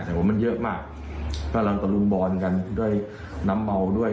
แต่ว่ามันเยอะมากก็เราก็ลุมบอนกันด้วยน้ำเบ้าด้วย